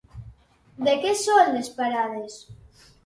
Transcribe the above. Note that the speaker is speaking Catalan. De què són, les parades?